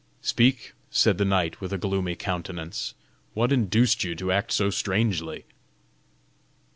"Speak," said the knight with a gloomy countenance, "what induced you to act so strangely?"